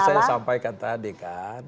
saya sampaikan tadi kan